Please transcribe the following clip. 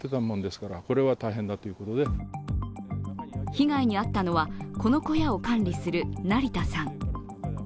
被害に遭ったのはこの小屋を管理する成田さん。